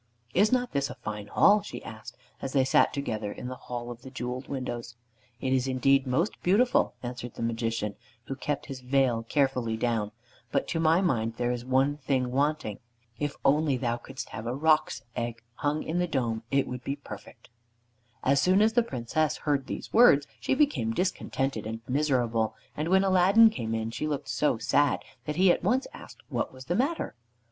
"Is not this a fine hall?" she asked, as they sat together in the hall of the jeweled windows. "It is indeed most beautiful," answered the Magician, who kept his veil carefully down, "but to my mind there is one thing wanting. If only thou couldst have a roc's egg hung in the dome it would be perfect." As soon as the Princess heard these words she became discontented and miserable, and when Aladdin came in, she looked so sad that he at once asked what was the matter.